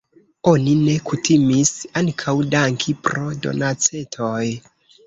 Oni ne kutimis ankaŭ danki pro donacetoj.